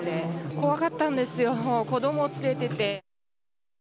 怖かったんですよ、子ども連れてて。